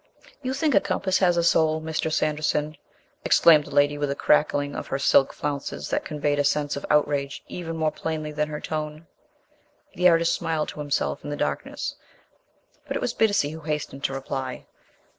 "You think a compass has a soul, Mr. Sanderson?" exclaimed the lady with a crackling of her silk flounces that conveyed a sense of outrage even more plainly than her tone. The artist smiled to himself in the darkness, but it was Bittacy who hastened to reply.